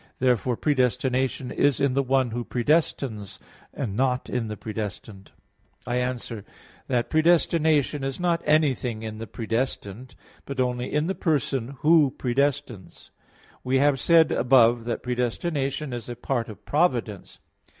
Therefore, predestination is in the one who predestines, and not in the predestined. I answer that, Predestination is not anything in the predestined; but only in the person who predestines. We have said above that predestination is a part of providence.